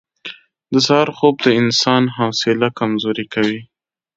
• د سهار خوب د انسان حوصله کمزورې کوي.